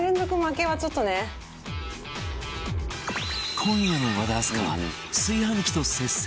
今夜の和田明日香は炊飯器と接戦の末勝利